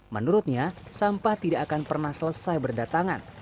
menurutnya sampah tidak akan pernah selesai berdatangan